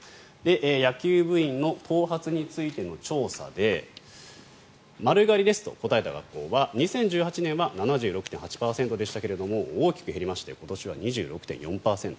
野球部員の頭髪についての調査で丸刈りですと答えた学校は２０１８年は７６．８％でしたが大きく減りまして今年は２６．４％